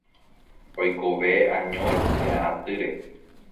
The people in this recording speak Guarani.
Oikove añóre térã atýre.